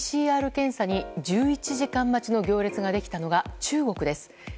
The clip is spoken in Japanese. ＰＣＲ検査に１１時間待ちの行列ができたのが中国です。